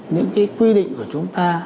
những cái quy định của chúng ta